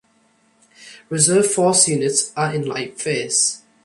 Reserve Force units are in light face.